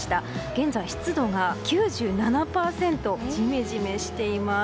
現在湿度が９７％でジメジメしています。